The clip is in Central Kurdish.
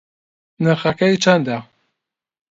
نرخەکەی چەندە؟